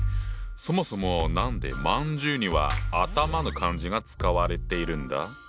そもそも何で饅頭には「頭」の漢字が使われているんだ？